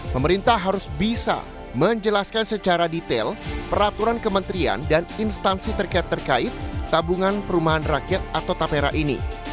pemerintah harus bisa menjelaskan secara detail peraturan kementerian dan instansi terkait terkait tabungan perumahan rakyat atau tapera ini